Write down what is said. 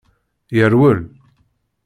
Yerwel.